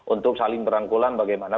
untuk saling berangkulan bagaimana